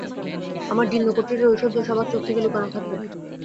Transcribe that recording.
আমার জীর্ণ কুটিরের ঐশ্বর্য সবার চোখ থেকে লুকানো থাকবে।